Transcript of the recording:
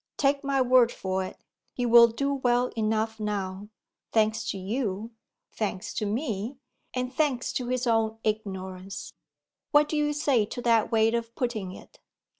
Take my word for it, he will do well enough now; thanks to you, thanks to me, and thanks to his own ignorance. What do you say to that way of putting it?